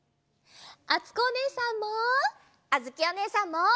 あつこおねえさんも！